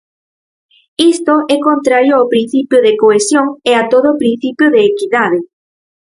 Isto é contrario ao principio de cohesión e a todo principio de equidade.